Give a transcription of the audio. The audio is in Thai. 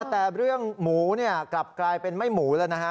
แต่เรื่องหมูกลับกลายเป็นไม่หมูแล้วนะฮะ